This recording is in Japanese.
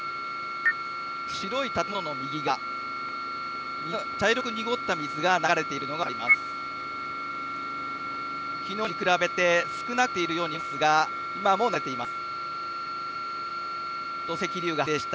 白い建物の右側、茶色く濁った水が流れているのが分かります。ます。